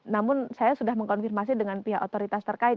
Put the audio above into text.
namun saya sudah mengkonfirmasi dengan pihak otoritas terkait